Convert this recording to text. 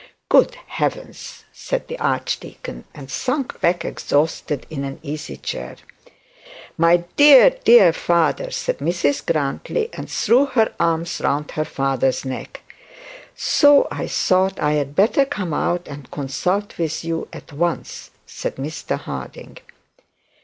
'Good heavens!' said the archdeacon, and sank back exhausted in an easy chair. 'My dear, dear, father,' said Mrs Grantly, and threw her arms around his neck. 'So I thought I had better come out and consult with you at once,' said Mr Harding.